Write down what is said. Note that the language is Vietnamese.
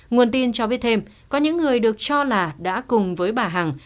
nguồn tin cho biết thêm có những người được cho là đã cùng với bà hằng